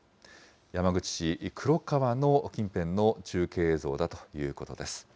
山口市、くろ川の近辺の中継映像だということです。